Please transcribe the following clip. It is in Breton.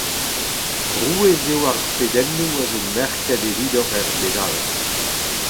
Rouez eo ar pedennoù a zo merket evidoc’h er bed all.